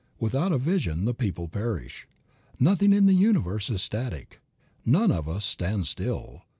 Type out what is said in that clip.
Without a vision the people perish. Nothing in the universe is static. None of us stands still.